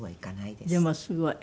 でもすごい。